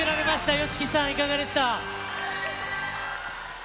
ＹＯＳＨＩＫＩさん、いかがでした？